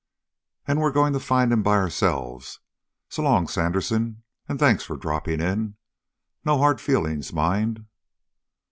"And we're going to find him by ourselves. S'long Sandersen, and thanks for dropping in. No hard feelings, mind!"